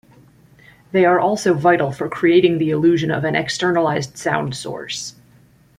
They are also vital for creating the illusion of an externalized sound source.